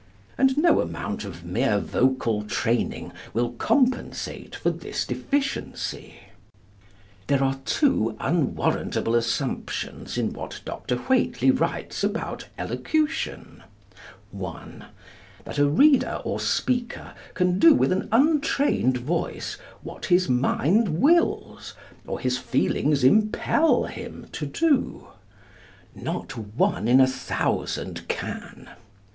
And no amount of mere vocal training will compensate for this deficiency. There are two unwarrantable assumptions in what Dr. Whateley writes about Elocution: 1. That a reader or speaker can do with an untrained voice what his mind wills, or his feelings impel him, to do. Not one in a thousand can.